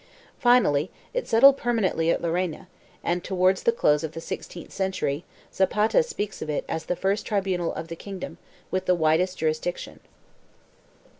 Finally it settled permanently at Llerena and, towards the close of the sixteenth century, Zapata speaks of it as the first tribunal of the kingdom, with the widest jurisdiction.